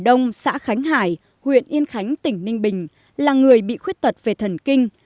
đông xã khánh hải huyện yên khánh tỉnh ninh bình là người bị khuyết tật về thần kinh